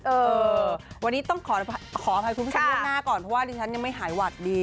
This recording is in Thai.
เออวันนี้ต้องขออภัยคุณผู้ชมล่วงหน้าก่อนเพราะว่าดิฉันยังไม่หายหวัดดี